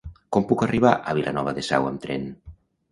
Com puc arribar a Vilanova de Sau amb tren?